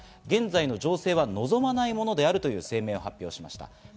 現在の情勢は望まないものであるという声明を発表しました。